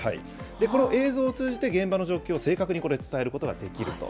この映像を通じて、現場の状況を正確に伝えることができると。